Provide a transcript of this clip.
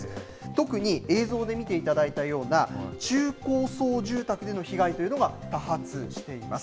特に映像で見ていただいたような中高層住宅での被害というのが多発しています。